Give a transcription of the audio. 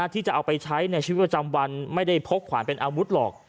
ที่จะเอาไปใช้ในชีวิตประจำวันไม่ได้พกขวานเป็นอาวุธหรอก